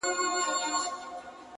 جنازه به د غمونو وي وتلې -